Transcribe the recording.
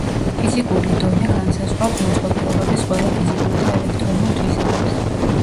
ფიზიკური დონე განსაზღვრავს მოწყობილობების ყველა ფიზიკურ და ელექტრულ თვისებებს.